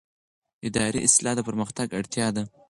اداري اصلاح د پرمختګ اړتیا ده